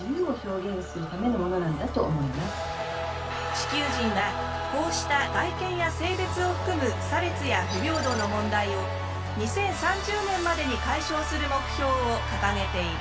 地球人はこうした外見や性別を含む差別や不平等の問題を２０３０年までに解消する目標を掲げている。